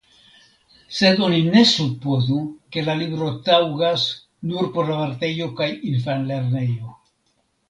Sed oni ne supozu ke la libro taŭgas nur por la vartejo kaj infanlernejo.